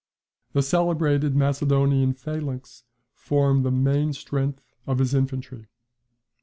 The celebrated Macedonian phalanx formed the main strength of his infantry.